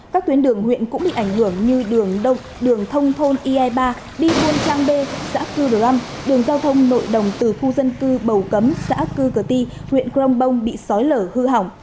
các tuyến đường huyện cũng bị ảnh hưởng như đường đồng đường thông thôn ie ba đi phương trang b xã cư đầu âm đường giao thông nội đồng từ khu dân cư bầu cấm xã cư cờ ti huyện crong bông bị sói lở hư hỏng